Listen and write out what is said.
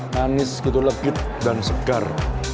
manis gitu legit dan segar